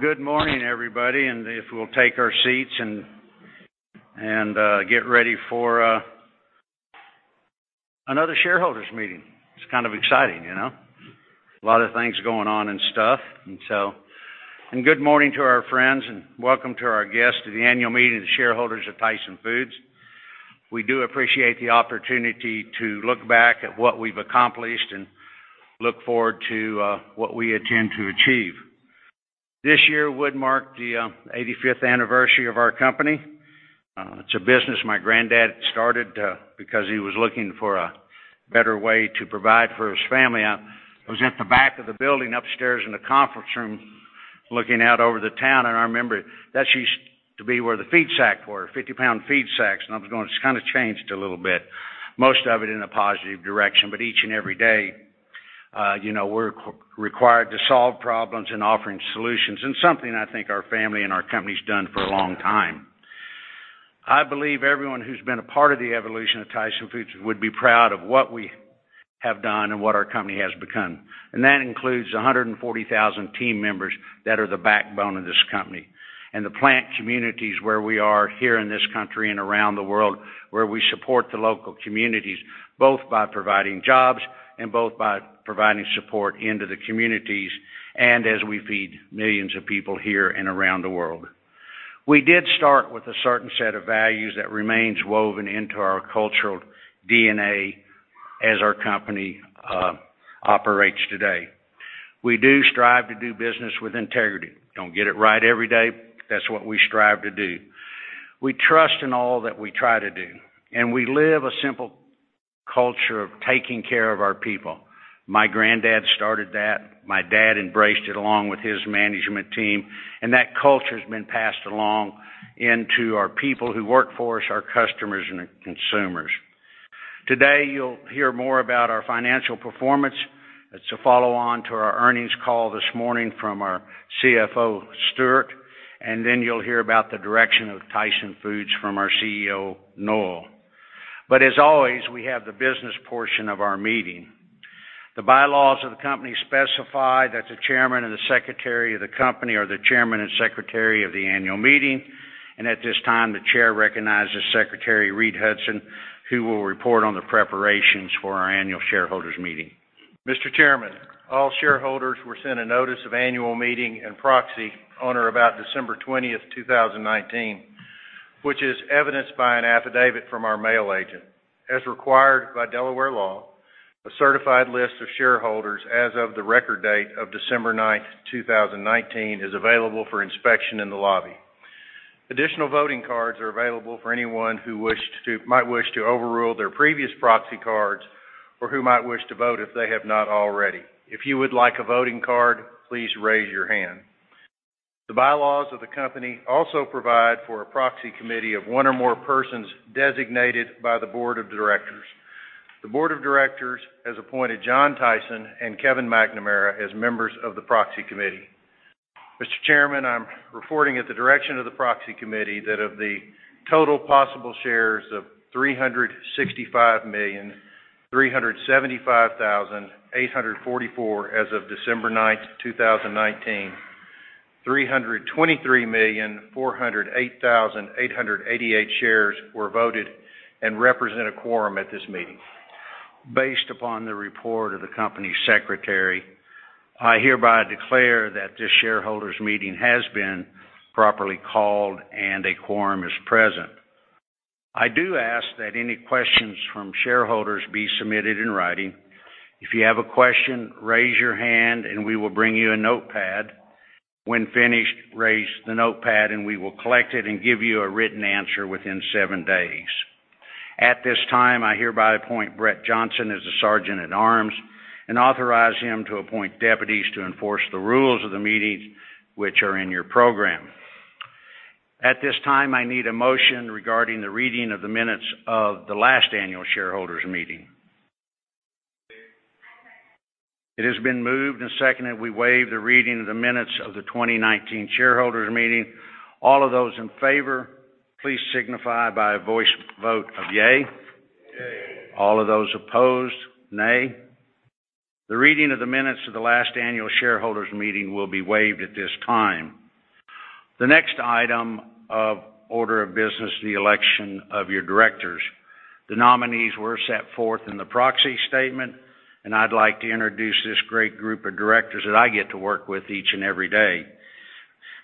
Well, good morning, everybody, and if we'll take our seats and get ready for another shareholders meeting. It's kind of exciting. A lot of things going on and stuff. Good morning to our friends, and welcome to our guests to the Annual Meeting of the shareholders of Tyson Foods. We do appreciate the opportunity to look back at what we've accomplished and look forward to what we intend to achieve. This year would mark the 85th anniversary of our company. It's a business my granddad started because he was looking for a better way to provide for his family. I was at the back of the building upstairs in the conference room, looking out over the town, and I remember that used to be where the feed sack were, 50 lb feed sacks, and it's kind of changed a little bit, most of it in a positive direction. Each and every day, we're required to solve problems and offering solutions, and something I think our family and our company's done for a long time. I believe everyone who's been a part of the evolution of Tyson Foods would be proud of what we have done and what our company has become, and that includes 140,000 team members that are the backbone of this company. The plant communities where we are here in this country and around the world, where we support the local communities, both by providing jobs and both by providing support into the communities, and as we feed millions of people here and around the world. We did start with a certain set of values that remains woven into our cultural DNA as our company operates today. We do strive to do business with integrity. Don't get it right every day. That's what we strive to do. We trust in all that we try to do, and we live a simple culture of taking care of our people. My granddad started that. My dad embraced it along with his management team, and that culture's been passed along into our people who work for us, our customers, and our consumers. Today, you'll hear more about our financial performance. It's a follow-on to our earnings call this morning from our CFO, Stewart, and then you'll hear about the direction of Tyson Foods from our CEO, Noel. As always, we have the business portion of our meeting. The bylaws of the company specify that the Chairman and the Secretary of the company are the Chairman and Secretary of the Annual Meeting, and at this time, the Chair recognizes Secretary Read Hudson, who will report on the preparations for our Annual Shareholders Meeting. Mr. Chairman, all shareholders were sent a notice of Annual Meeting and Proxy on or about December 20th, 2019, which is evidenced by an affidavit from our mail agent. As required by Delaware law, a certified list of shareholders as of the record date of December 9th, 2019, is available for inspection in the lobby. Additional voting cards are available for anyone who might wish to overrule their previous proxy cards or who might wish to vote if they have not already. If you would like a voting card, please raise your hand. The bylaws of the company also provide for a proxy committee of one or more persons designated by the Board of Directors. The Board of Directors has appointed John Tyson and Kevin McNamara as members of the Proxy Committee. Mr. Chairman, I'm reporting at the direction of the Proxy Committee that of the total possible shares of 365,375,844 as of December 9th, 2019, 323,408,888 shares were voted and represent a quorum at this meeting. Based upon the report of the Company Secretary, I hereby declare that this shareholders meeting has been properly called and a quorum is present. I do ask that any questions from shareholders be submitted in writing. If you have a question, raise your hand and we will bring you a notepad. When finished, raise the notepad and we will collect it and give you a written answer within seven days. At this time, I hereby appoint Brett Johnson as the Sergeant-at-Arms and authorize him to appoint deputies to enforce the rules of the meeting, which are in your program. At this time, I need a motion regarding the reading of the minutes of the last Annual Shareholders Meeting. Move. I second. It has been moved and seconded we waive the reading of the minutes of the 2019 Shareholders Meeting. All of those in favor, please signify by a voice vote of yay. Yay. All of those opposed, nay. The reading of the minutes of the last Annual Shareholders Meeting will be waived at this time. The next item of order of business, the election of your Directors. The nominees were set forth in the proxy statement, and I'd like to introduce this great group of Directors that I get to work with each and every day.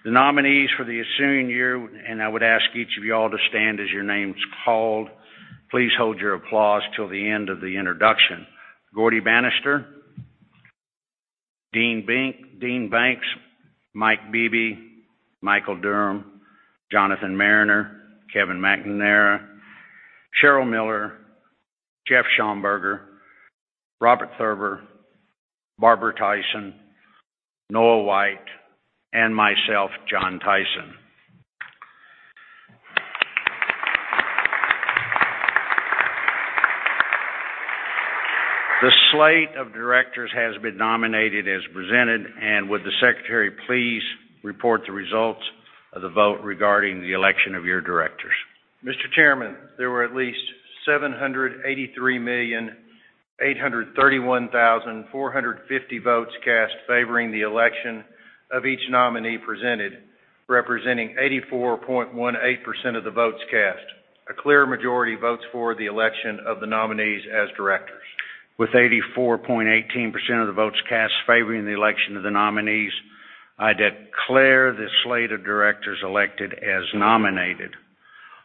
The nominees for this ensuing year, and I would ask each of y'all to stand as your name's called. Please hold your applause till the end of the introduction. Gaurdie Banister, Dean Banks, Mike Beebe, Mikel Durham, Jonathan Mariner, Kevin McNamara, Cheryl Miller, Jeff Schomburger, Robert Thurber, Barbara Tyson, Noel White, and myself, John Tyson. The slate of Directors has been nominated as presented and would the Secretary please report the results of the vote regarding the election of your Directors. Mr. Chairman, there were at least 783,831,450 votes cast favoring the election of each nominee presented, representing 84.18% of the votes cast. A clear majority votes for the election of the nominees as directors. With 84.18% of the votes cast favoring the election of the nominees, I declare the slate of Directors elected as nominated.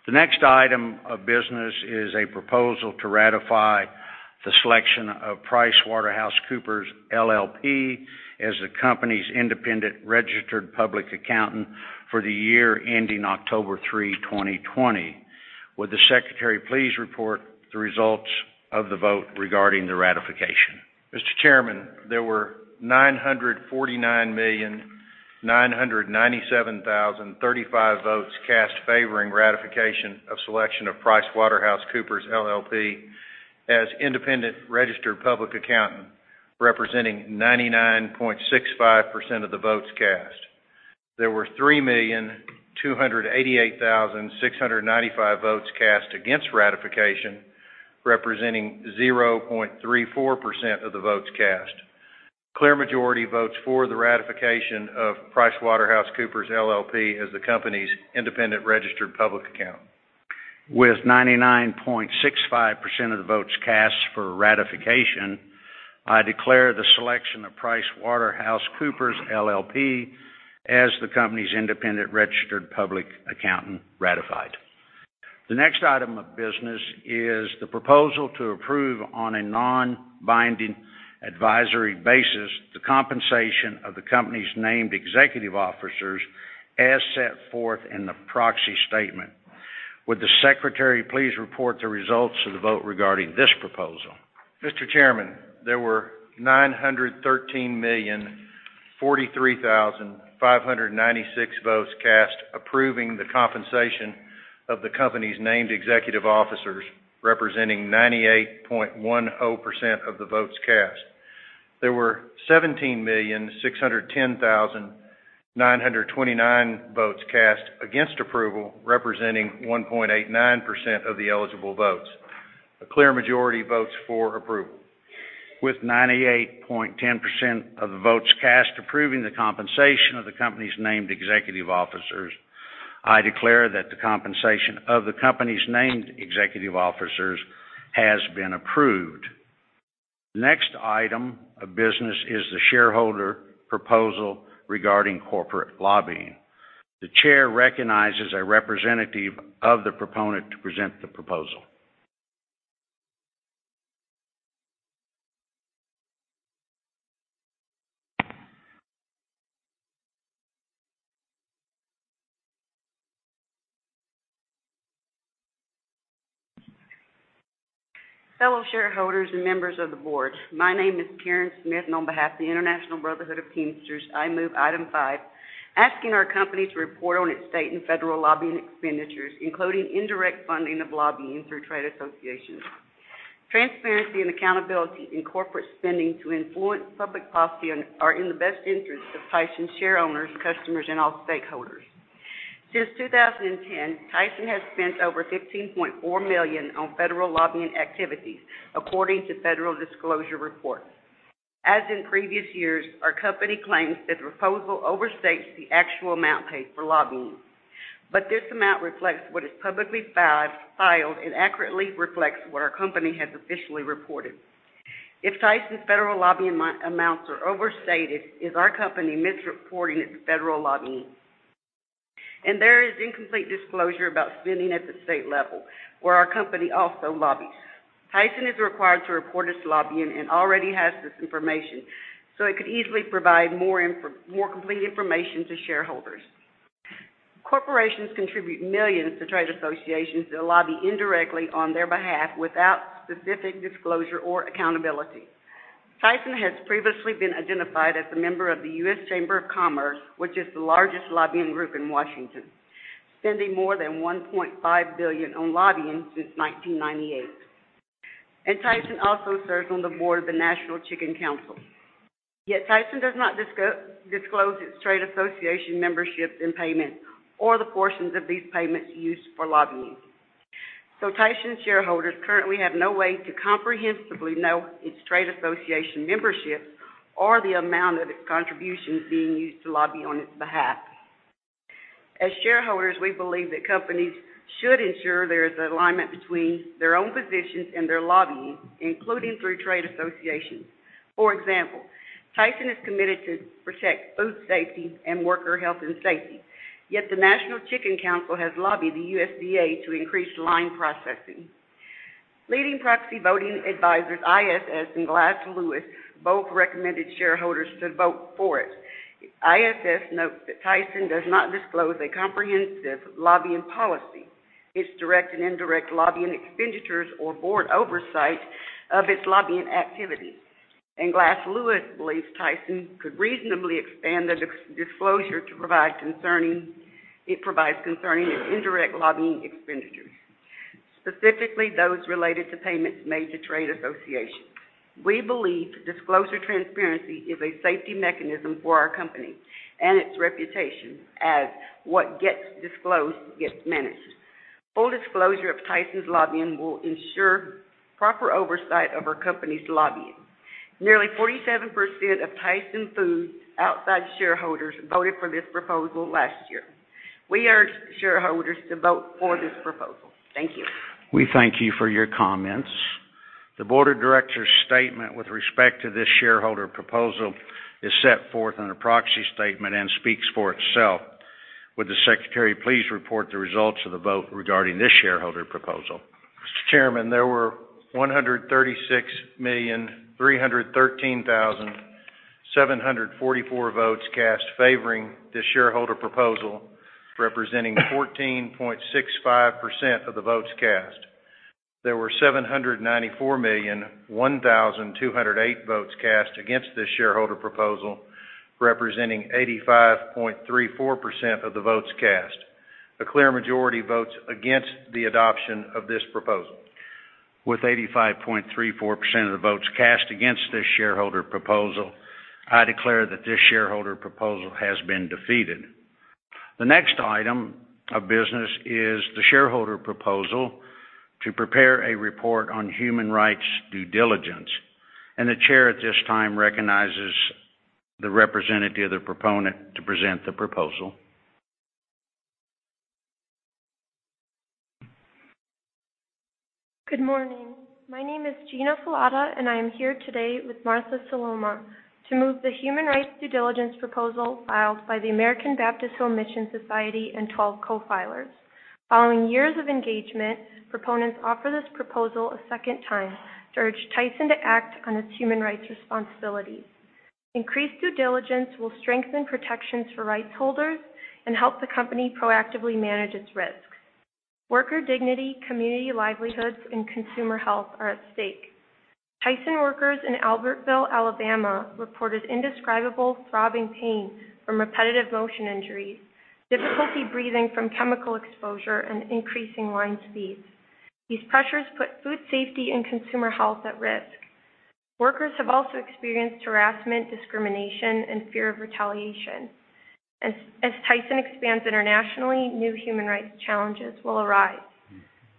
The next item of business is a proposal to ratify the selection of PricewaterhouseCoopers, LLP, as the company's independent registered public accountant for the year ending October 3, 2020. Would the Secretary please report the results of the vote regarding the ratification? Mr. Chairman, there were 949,997,035 votes cast favoring ratification of selection of PricewaterhouseCoopers, LLP, as independent registered public accountant, representing 99.65% of the votes cast. There were 3,288,695 votes cast against ratification, representing 0.34% of the votes cast. Clear majority votes for the ratification of PricewaterhouseCoopers, LLP, as the company's independent registered public accountant. With 99.65% of the votes cast for ratification, I declare the selection of PricewaterhouseCoopers, LLP, as the company's independent registered public accountant ratified. The next item of business is the proposal to approve on a non-binding advisory basis the compensation of the company's named Executive Officers as set forth in the proxy statement. Would the Secretary please report the results of the vote regarding this proposal? Mr. Chairman, there were 913,043,596 votes cast approving the compensation of the company's named executive officers, representing 98.10% of the votes cast. There were 17,610,929 votes cast against approval, representing 1.89% of the eligible votes. A clear majority votes for approval. With 98.10% of the votes cast approving the compensation of the company's named Executive Officers, I declare that the compensation of the company's named Executive Officers has been approved. Next item of business is the shareholder proposal regarding corporate lobbying. The Chair recognizes a representative of the proponent to present the proposal. Fellow shareholders and members of the board, my name is Karen Smith, and on behalf of the International Brotherhood of Teamsters, I move Item 5, asking our company to report on its state and federal lobbying expenditures, including indirect funding of lobbying through trade associations. Transparency and accountability in corporate spending to influence public policy are in the best interest of Tyson shareowners, customers, and all stakeholders. Since 2010, Tyson has spent over $15.4 million on federal lobbying activities, according to federal disclosure reports. As in previous years, our company claims this proposal overstates the actual amount paid for lobbying. This amount reflects what is publicly filed and accurately reflects what our company has officially reported. If Tyson's federal lobbying amounts are overstated, is our company misreporting its federal lobbying? There is incomplete disclosure about spending at the state level, where our company also lobbies. Tyson is required to report its lobbying and already has this information, so it could easily provide more complete information to shareholders. Corporations contribute millions to trade associations that lobby indirectly on their behalf without specific disclosure or accountability. Tyson has previously been identified as a member of the U.S. Chamber of Commerce, which is the largest lobbying group in Washington, spending more than $1.5 billion on lobbying since 1998. Tyson also serves on the Board of the National Chicken Council. Yet Tyson does not disclose its trade association memberships and payment or the portions of these payments used for lobbying. Tyson shareholders currently have no way to comprehensively know its trade association memberships or the amount of its contributions being used to lobby on its behalf. As shareholders, we believe that companies should ensure there is alignment between their own positions and their lobbying, including through trade associations. For example, Tyson is committed to protect food safety and worker health and safety. Yet the National Chicken Council has lobbied the USDA to increase line processing. Leading proxy voting advisors, ISS and Glass Lewis, both recommended shareholders to vote for it. ISS notes that Tyson does not disclose a comprehensive lobbying policy, its direct and indirect lobbying expenditures or Board oversight of its lobbying activities. Glass Lewis believes Tyson could reasonably expand the disclosure it provides concerning its indirect lobbying expenditures, specifically those related to payments made to trade associations. We believe disclosure transparency is a safety mechanism for our company and its reputation as what gets disclosed gets managed. Full disclosure of Tyson's lobbying will ensure proper oversight of our company's lobbying. Nearly 47% of Tyson Foods outside shareholders voted for this proposal last year. We urge shareholders to vote for this proposal. Thank you. We thank you for your comments. The Board of Directors' statement with respect to this shareholder proposal is set forth in the proxy statement and speaks for itself. Would the Secretary please report the results of the vote regarding this shareholder proposal? Mr. Chairman, there were 136,313,744 votes cast favoring this shareholder proposal, representing 14.65% of the votes cast. There were 794,001,208 votes cast against this shareholder proposal, representing 85.34% of the votes cast. A clear majority votes against the adoption of this proposal. With 85.34% of the votes cast against this shareholder proposal, I declare that this shareholder proposal has been defeated. The next item of business is the shareholder proposal to prepare a report on human rights due diligence, and the Chair at this time recognizes the representative of the proponent to present the proposal. Good morning. My name is Gina Falada, and I am here today with Martha Salomaa to move the human rights due diligence proposal filed by the American Baptist Home Mission Societies and 12 co-filers. Following years of engagement, proponents offer this proposal a second time to urge Tyson to act on its human rights responsibilities. Increased due diligence will strengthen protections for rights holders and help the company proactively manage its risks. Worker dignity, community livelihoods, and consumer health are at stake. Tyson workers in Albertville, Alabama, reported indescribable throbbing pain from repetitive motion injuries, difficulty breathing from chemical exposure, and increasing line speeds. These pressures put food safety and consumer health at risk. Workers have also experienced harassment, discrimination, and fear of retaliation. As Tyson expands internationally, new human rights challenges will arise.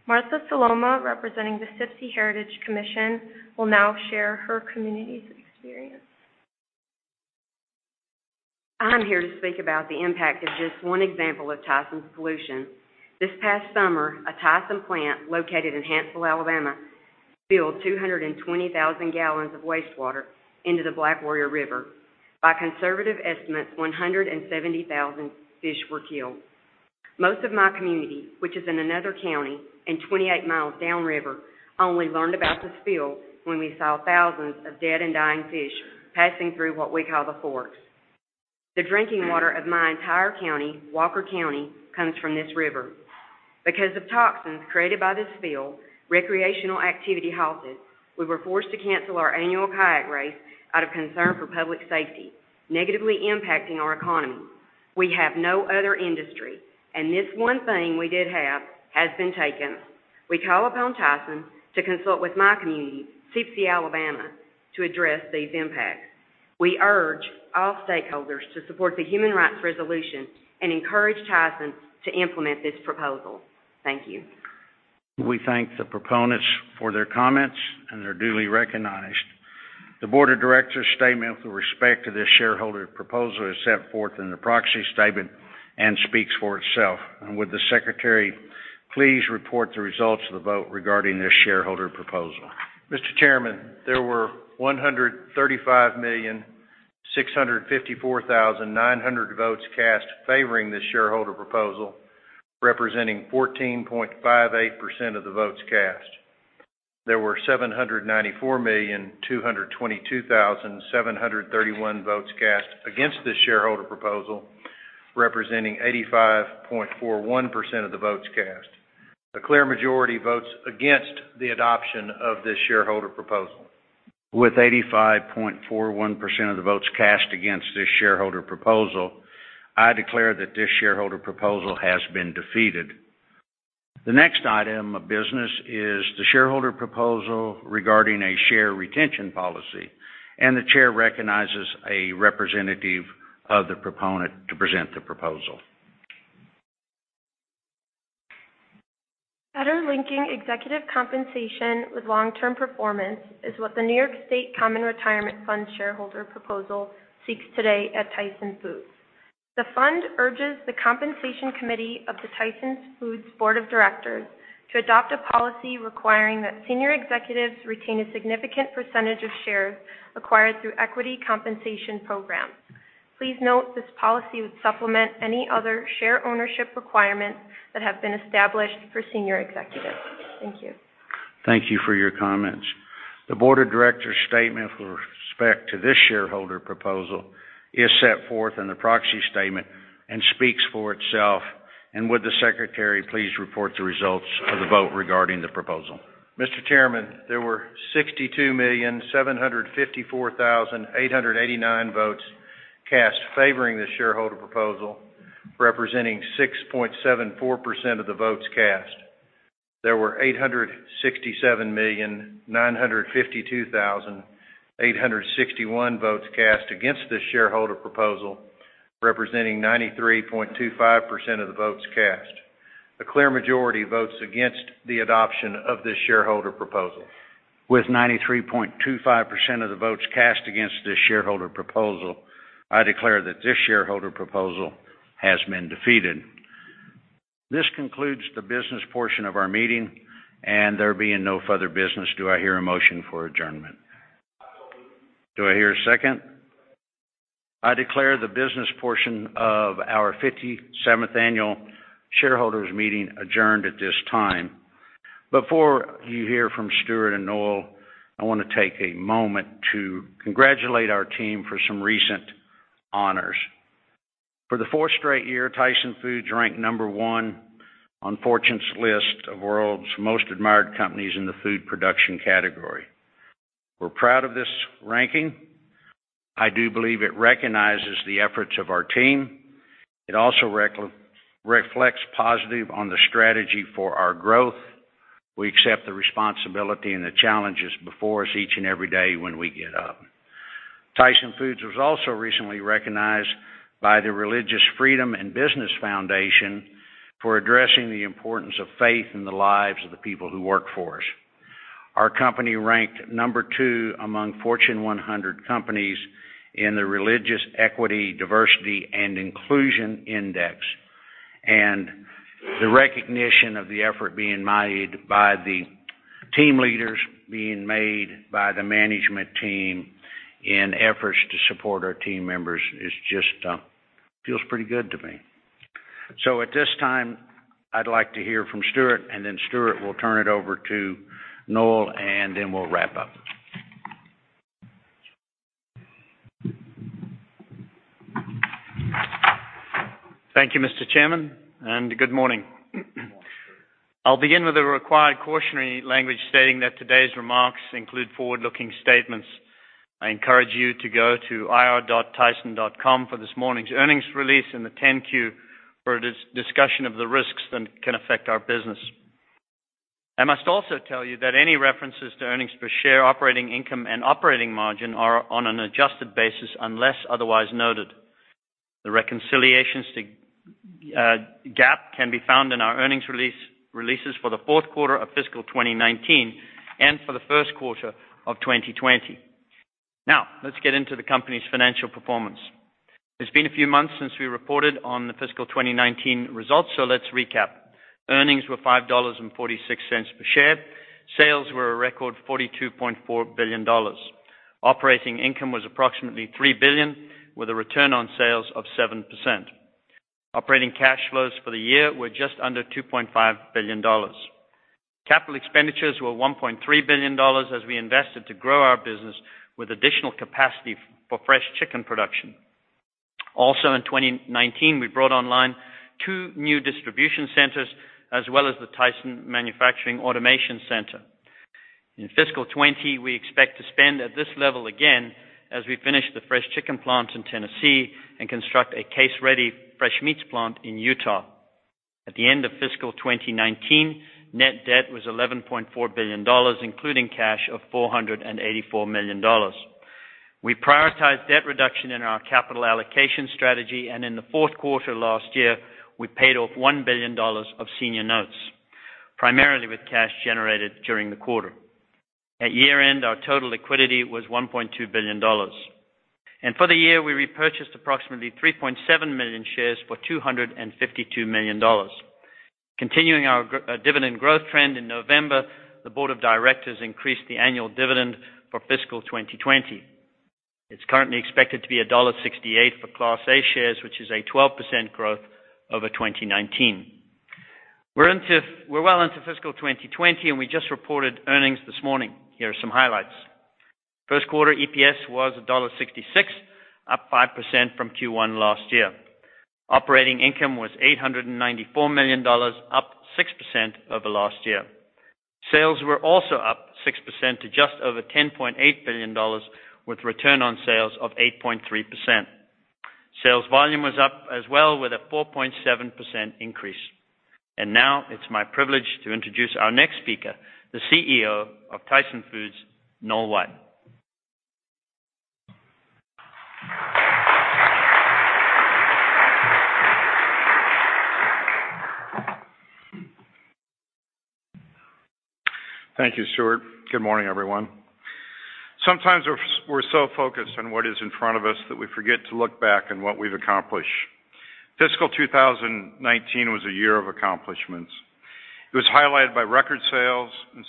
Martha Salomaa, representing the Sipsey Heritage Commission, will now share her community's experience. I'm here to speak about the impact of just one example of Tyson's pollution. This past summer, a Tyson plant located in Hanceville, Alabama, spilled 220,000 gallons of wastewater into the Black Warrior River. By conservative estimates, 170,000 fish were killed. Most of my community, which is in another county and 28 miles downriver, only learned about the spill when we saw thousands of dead and dying fish passing through what we call The Forks. The drinking water of my entire county, Walker County, comes from this river. Because of toxins created by the spill, recreational activity halted. We were forced to cancel our annual kayak race out of concern for public safety, negatively impacting our economy. We have no other industry, and this one thing we did have has been taken. We call upon Tyson to consult with my community, Sipsey, Alabama, to address these impacts. We urge all stakeholders to support the human rights resolution and encourage Tyson to implement this proposal. Thank you. We thank the proponents for their comments, and they're duly recognized. The Board of Directors' statement with respect to this shareholder proposal is set forth in the proxy statement and speaks for itself. Would the Secretary please report the results of the vote regarding this shareholder proposal? Mr. Chairman, there were 135,654,900 votes cast favoring this shareholder proposal, representing 14.58% of the votes cast. There were 794,222,731 votes cast against this shareholder proposal, representing 85.41% of the votes cast. A clear majority votes against the adoption of this shareholder proposal. With 85.41% of the votes cast against this shareholder proposal, I declare that this shareholder proposal has been defeated. The next item of business is the shareholder proposal regarding a share retention policy. The Chair recognizes a representative of the proponent to present the proposal. Better linking executive compensation with long-term performance is what the New York State Common Retirement Fund shareholder proposal seeks today at Tyson Foods. The fund urges the Compensation Committee of the Tyson Foods Board of Directors to adopt a policy requiring that senior executives retain a significant percentage of shares acquired through equity compensation programs. Please note this policy would supplement any other share ownership requirements that have been established for senior executives. Thank you. Thank you for your comments. The Board of Directors' statement with respect to this shareholder proposal is set forth in the proxy statement and speaks for itself. Would the Secretary please report the results of the vote regarding the proposal? Mr. Chairman, there were 62,754,889 votes cast favoring this shareholder proposal, representing 6.74% of the votes cast. There were 867,952,861 votes cast against this shareholder proposal, representing 93.25% of the votes cast. A clear majority votes against the adoption of this shareholder proposal. With 93.25% of the votes cast against this shareholder proposal, I declare that this shareholder proposal has been defeated. This concludes the business portion of our meeting, and there being no further business, do I hear a motion for adjournment? I so move. Do I hear a second? Second. I declare the business portion of our 57th Annual Shareholders Meeting adjourned at this time. Before you hear from Stewart and Noel, I want to take a moment to congratulate our team for some recent honors. For the fourth straight year, Tyson Foods ranked number one on Fortune's list of World's Most Admired Companies in the food production category. We're proud of this ranking. I do believe it recognizes the efforts of our team. It also reflects positive on the strategy for our growth. We accept the responsibility and the challenges before us each and every day when we get up. Tyson Foods was also recently recognized by the Religious Freedom & Business Foundation for addressing the importance of faith in the lives of the people who work for us. Our company ranked number two among Fortune 100 companies in the Religious Equity, Diversity, & Inclusion Index. The recognition of the effort being made by the team leaders, being made by the management team in efforts to support our team members, feels pretty good to me. At this time, I'd like to hear from Stewart, and then Stewart will turn it over to Noel, and then we'll wrap up. Thank you, Mr. Chairman, and good morning. Good morning, Stewart. I'll begin with the required cautionary language stating that today's remarks include forward-looking statements. I encourage you to go to ir.tyson.com for this morning's earnings release and the 10-Q for a discussion of the risks that can affect our business. I must also tell you that any references to earnings per share, operating income, and operating margin are on an adjusted basis unless otherwise noted. The reconciliations to GAAP can be found in our earnings releases for the fourth quarter of fiscal 2019 and for the first quarter of 2020. Let's get into the company's financial performance. It's been a few months since we reported on the fiscal 2019 results. Let's recap. Earnings were $5.46 per share. Sales were a record $42.4 billion. Operating income was approximately $3 billion, with a return on sales of 7%. Operating cash flows for the year were just under $2.5 billion. Capital expenditures were $1.3 billion as we invested to grow our business with additional capacity for fresh chicken production. In 2019, we brought online two new distribution centers as well as the Tyson Manufacturing Automation Center. In fiscal 2020, we expect to spend at this level again as we finish the fresh chicken plant in Tennessee and construct a case-ready fresh meats plant in Utah. At the end of fiscal 2019, net debt was $11.4 billion, including cash of $484 million. We prioritize debt reduction in our capital allocation strategy, and in the fourth quarter last year, we paid off $1 billion of senior notes, primarily with cash generated during the quarter. At year-end, our total liquidity was $1.2 billion. For the year, we repurchased approximately 3.7 million shares for $252 million. Continuing our dividend growth trend in November, the Board of Directors increased the annual dividend for fiscal 2020. It's currently expected to be $1.68 for Class A shares, which is a 12% growth over 2019. We're well into fiscal 2020. We just reported earnings this morning. Here are some highlights. First quarter EPS was $1.66, up 5% from Q1 last year. Operating income was $894 million, up 6% over last year. Sales were also up 6% to just over $10.8 billion with return on sales of 8.3%. Sales volume was up as well with a 4.7% increase. Now it's my privilege to introduce our next speaker, the CEO of Tyson Foods, Noel White. Thank you, Stewart. Good morning, everyone. Sometimes we're so focused on what is in front of us that we forget to look back on what we've accomplished. Fiscal 2019 was a year of accomplishments. It was highlighted by record sales and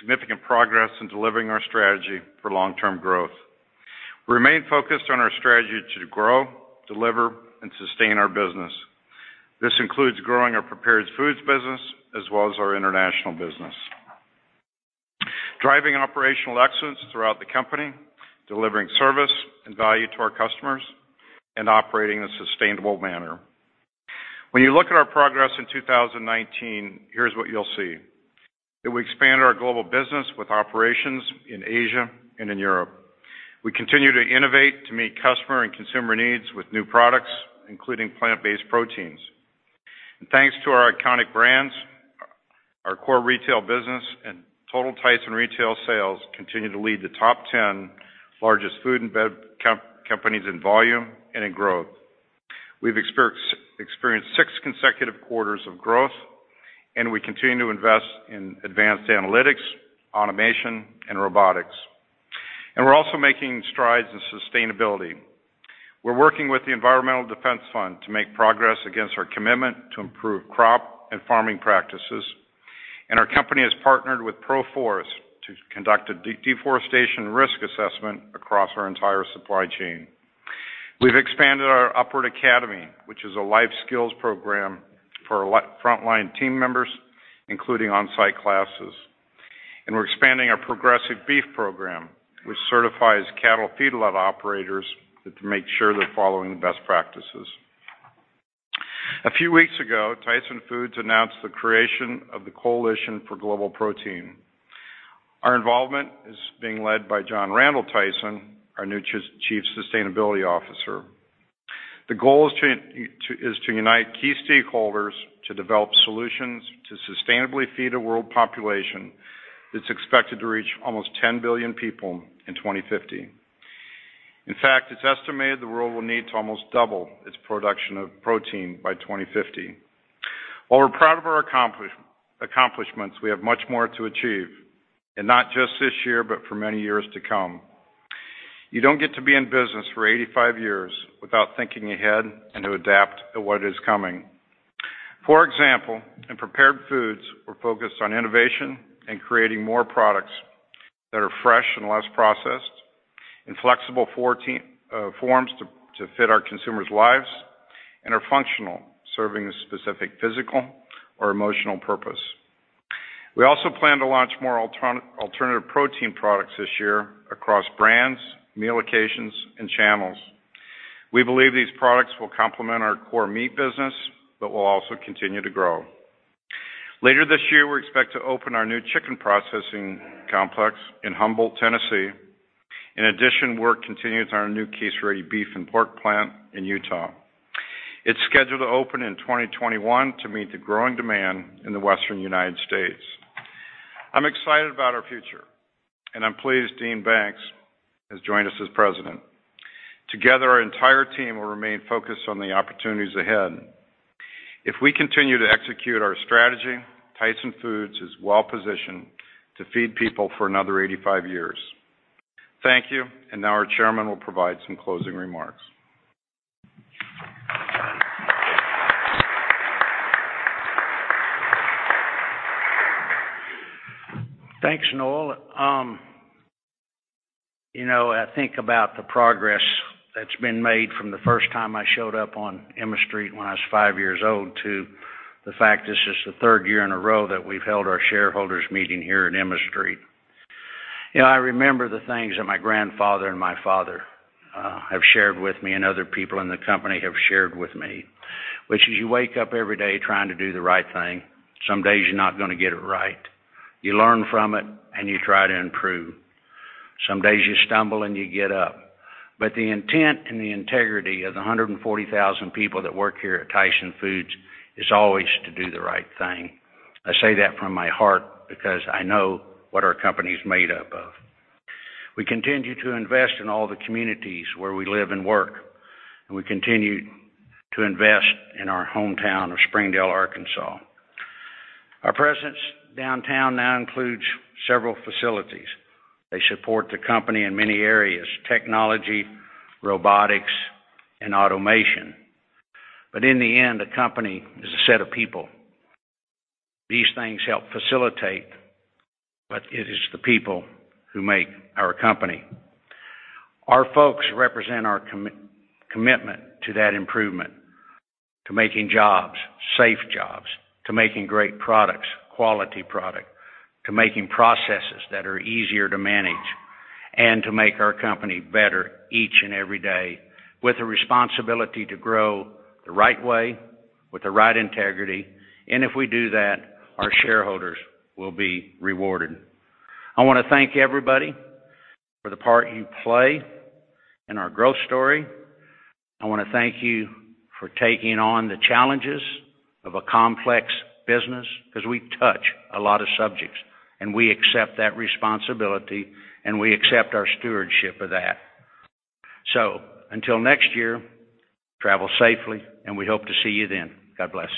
significant progress in delivering our strategy for long-term growth. We remain focused on our strategy to grow, deliver, and sustain our business. This includes growing our prepared foods business as well as our international business, driving operational excellence throughout the company, delivering service and value to our customers, and operating in a sustainable manner. When you look at our progress in 2019, here's what you'll see. That we expanded our global business with operations in Asia and in Europe. We continue to innovate to meet customer and consumer needs with new products, including plant-based proteins. Thanks to our iconic brands, our core retail business, and total Tyson retail sales continue to lead the top 10 largest food and beverage companies in volume and in growth. We've experienced six consecutive quarters of growth, and we continue to invest in advanced analytics, automation, and robotics. We're also making strides in sustainability. We're working with the Environmental Defense Fund to make progress against our commitment to improve crop and farming practices. Our company has partnered with Proforest to conduct a deforestation risk assessment across our entire supply chain. We've expanded our Upward Academy, which is a life skills program for frontline team members, including on-site classes. We're expanding our progressive beef program, which certifies cattle feedlot operators to make sure they're following best practices. A few weeks ago, Tyson Foods announced the creation of the Coalition for Global Protein. Our involvement is being led by John Randall Tyson, our new Chief Sustainability Officer. The goal is to unite key stakeholders to develop solutions to sustainably feed a world population that's expected to reach almost 10 billion people in 2050. In fact, it's estimated the world will need to almost double its production of protein by 2050. While we're proud of our accomplishments, we have much more to achieve, and not just this year, but for many years to come. You don't get to be in business for 85 years without thinking ahead and to adapt to what is coming. For example, in prepared foods, we're focused on innovation and creating more products that are fresh and less processed, in flexible forms to fit our consumers' lives, and are functional, serving a specific physical or emotional purpose. We also plan to launch more alternative protein products this year across brands, meal occasions, and channels. We believe these products will complement our core meat business but will also continue to grow. Later this year, we expect to open our new chicken processing complex in Humboldt, Tennessee. In addition, work continues on our new case-ready beef and pork plant in Utah. It's scheduled to open in 2021 to meet the growing demand in the western U.S. I'm excited about our future, and I'm pleased Dean Banks has joined us as president. Together, our entire team will remain focused on the opportunities ahead. If we continue to execute our strategy, Tyson Foods is well-positioned to feed people for another 85 years. Thank you. Now our chairman will provide some closing remarks. Thanks, Noel. I think about the progress that's been made from the first time I showed up on Emma Street when I was five years old to the fact this is the third year in a row that we've held our shareholders' meeting here at Emma Street. I remember the things that my grandfather and my father have shared with me and other people in the company have shared with me, which is you wake up every day trying to do the right thing. Some days you're not going to get it right. You learn from it, and you try to improve. Some days you stumble, and you get up. The intent and the integrity of the 140,000 people that work here at Tyson Foods is always to do the right thing. I say that from my heart because I know what our company's made up of. We continue to invest in all the communities where we live and work, and we continue to invest in our hometown of Springdale, Arkansas. Our presence downtown now includes several facilities. They support the company in many areas: technology, robotics, and automation. In the end, a company is a set of people. These things help facilitate, but it is the people who make our company. Our folks represent our commitment to that improvement, to making jobs safe jobs, to making great products quality product, to making processes that are easier to manage, and to make our company better each and every day with a responsibility to grow the right way with the right integrity. If we do that, our shareholders will be rewarded. I want to thank everybody for the part you play in our growth story. I want to thank you for taking on the challenges of a complex business because we touch a lot of subjects, and we accept that responsibility, and we accept our stewardship of that. Until next year, travel safely, and we hope to see you then. God bless.